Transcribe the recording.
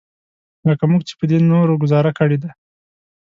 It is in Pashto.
لکه موږ چې په دې نورو ګوزارونو کړی دی.